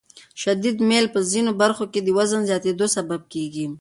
شدید میل په ځینو برخو کې د وزن زیاتېدو سبب کېږي.